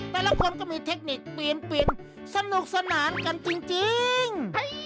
แต่ละคนก็มีเทคนิคปีนสนุกสนานกันจริง